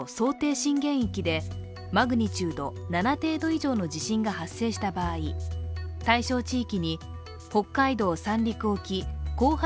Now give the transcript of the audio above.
震源域でマグニチュード７程度以上の地震が発生した場合、対象地域に北海道・三陸沖後発